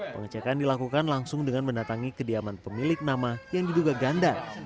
pengecekan dilakukan langsung dengan mendatangi kediaman pemilik nama yang diduga ganda